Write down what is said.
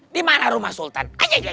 dimana rumah sultan